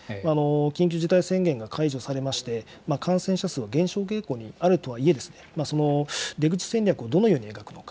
緊急事態宣言が解除されまして、感染者数が減少傾向にあるとはいえ、その出口戦略をどのように描くのか。